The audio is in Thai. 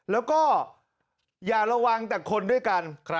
แล้วก็อย่าระวังแต่คนด้วยกัน